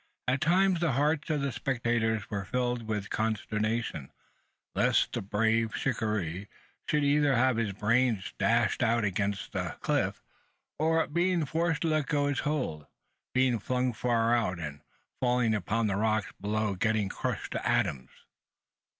At times the hearts of the spectators were filled with consternation, lest the brave shikaree should either have his brains dashed out against the beetling cliff; or, being forced to let go his hold, be flung far out, and falling upon the rocks below, get crushed to atoms.